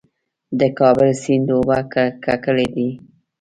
د کابل سیند اوبه ککړې دي؟